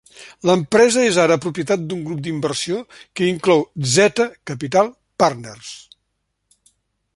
L'empresa és ara propietat d'un grup d'inversió que inclou Z Capital Partners.